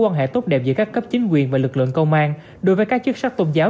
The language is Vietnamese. quan hệ tốt đẹp giữa các cấp chính quyền và lực lượng công an đối với các chức sắc tôn giáo